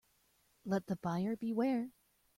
Let the buyer beware.